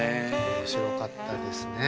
面白かったですね。